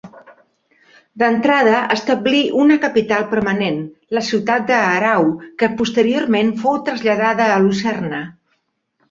D'entrada establí una capital permanent, la ciutat d'Aarau, que posteriorment fou traslladada a Lucerna.